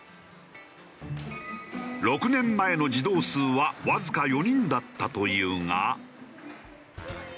６年前の児童数はわずか４人だったというが。